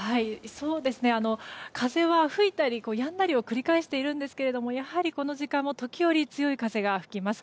風は吹いたりやんだりを繰り返しているんですがやはり、この時間も時折強い風が吹きます。